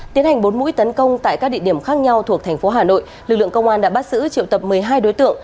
tiến hành bốn mũi tấn công tại các địa điểm khác nhau thuộc thành phố hà nội lực lượng công an đã bắt giữ triệu tập một mươi hai đối tượng